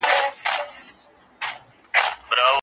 همغږي د خلګو ترمنځ مینه زیاتوي.